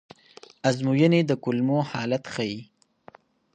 ازموینې د کولمو حالت ښيي.